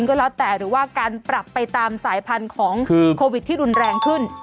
ก็แล้วแต่หรือว่าการปรับไปตามสายพันธุ์ของโควิดที่รุนแรงขึ้น